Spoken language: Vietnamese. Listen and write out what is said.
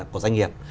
của doanh nghiệp